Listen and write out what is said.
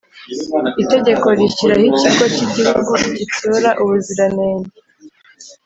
itegeko rishyiraho Ikigo cy’Igihugu gitsura ubuziranenge